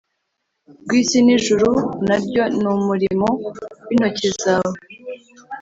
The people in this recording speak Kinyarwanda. rw isi N ijuru na ryo ni umurimo w intoki zawe